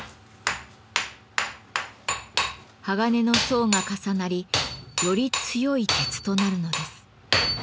鋼の層が重なりより強い鉄となるのです。